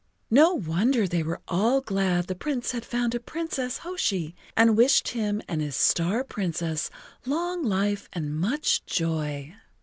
No wonder[Pg 29] they were all glad the Prince had found a Princess Hoshi, and wished him and his Star Princess long life and much joy.